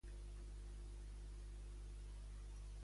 Què és Aedes Vestae?